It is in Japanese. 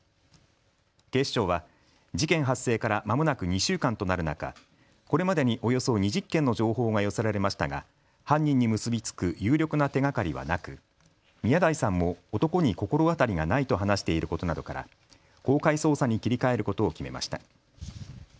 警視庁は事件発生からまもなく２週間となる中、これまでにおよそ２０件の情報が寄せられましたが犯人に結び付く有力な手がかりはなく宮台さんも男に心当たりがないと話していることなどから公開捜査に切り替えることを決めました。